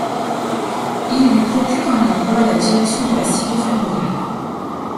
Ils lui procurent un emploi à la direction de la scierie familiale.